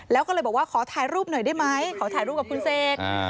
แล้วก็เลยบอกว่าขอถ่ายรูปหน่อยได้ไหมขอถ่ายรูปกับคุณเสก